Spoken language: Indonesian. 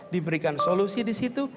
diberikan solusi di situ